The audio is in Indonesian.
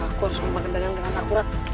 aku harus membangun tangan dengan akurat